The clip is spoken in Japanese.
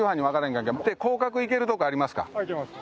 行けます。